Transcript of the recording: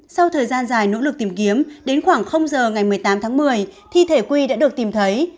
sau thời gian dài nỗ lực tìm kiếm đến khoảng giờ ngày một mươi tám tháng một mươi thi thể quy đã được tìm thấy